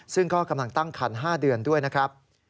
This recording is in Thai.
ซึ่งก็กำลังตั้งคัน๕เดือนด้วยนะครับ